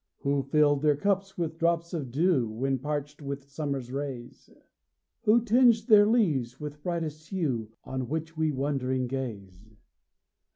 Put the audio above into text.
Who fill'd their cups with drops of dew, When parch'd with summer's rays; Who tinged their leaves with brightest hue, On which we wondering gaze.